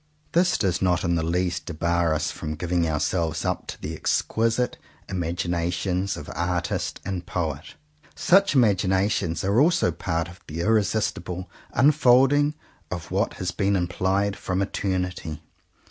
This does not in the least debar us from giving ourselves up to the exquisite imaginations of artist and poet. Such imaginations are also part of the irresistible unfolding of what has been implied from eternity.